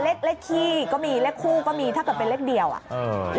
เลขเลขขี้ก็มีเลขคู่ก็มีถ้าเกิดเป็นเลขเดียวอ่ะเออ